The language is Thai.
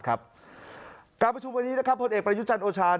การประชุมวันนี้นะครับผลเอกประยุจันทร์โอชา